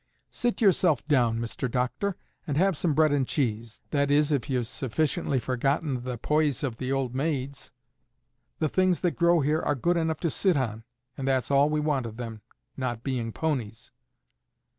"Sit yourself down, Mr. Doctor, and have some bread and cheese that is, if ye've sufficiently forgotten the poies of the old maids. The things that grow here are good enough to sit on, and that's all we want of them, not being ponies."